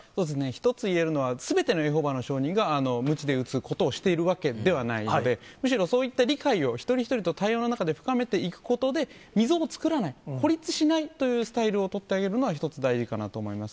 一つ言えるのは、すべてのエホバの証人がむちで打つことをしているわけではないので、むしろそういった理解を、一人一人と対話の中で深めていくことで、溝を作らない、孤立しないというスタイルを取ってあげるのが一つ大事かなと思います。